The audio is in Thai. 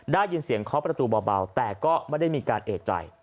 ได้ยินเสียงเคาะประตูเบาแต่ก็ไม่ได้มีการเอกใจ